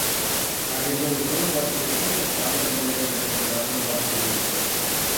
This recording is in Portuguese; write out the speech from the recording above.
A resolução pode ser contestada da maneira determinada na base oito.